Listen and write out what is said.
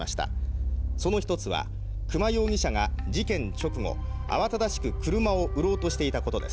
その一つは久間容疑者が事件直後慌ただしく車を売ろうとしていたことです。